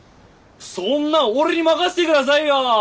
そんなん俺に任せてくださいよ。